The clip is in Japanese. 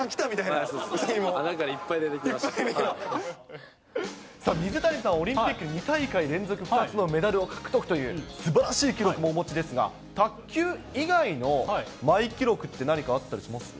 なんかいっぱい出さあ、水谷さん、オリンピック２大会連続２つのメダルを獲得というすばらしい記録もお持ちですが、卓球以外のマイ記録って、何かあったりします？